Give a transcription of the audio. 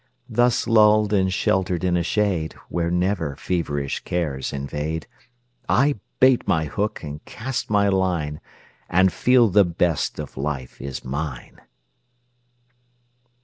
Thus lulled and sheltered in a shade Where never feverish cares invade, I bait my hook and cast my line, And feel the best of life is mine.